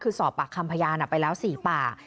คือสอบปากคำพยานไปแล้ว๔ปาก